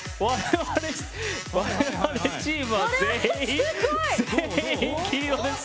我々チームは全員黄色です。